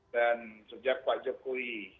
dan sejak pak jokowi